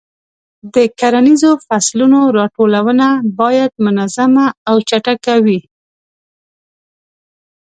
د کرنیزو فصلونو راټولونه باید منظمه او چټکه وي.